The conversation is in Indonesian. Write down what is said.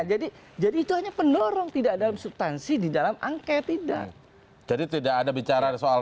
jadi jadi itu hanya penorong tidak dalam substansi di dalam angket tidak jadi tidak ada bicara soal